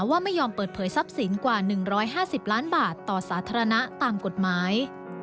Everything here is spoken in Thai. ว่าไม่ยอมเปิดเผยทรัพย์สินกว่า๑๕๐ล้านบาทต่อสาธารณะตามกฎหมาย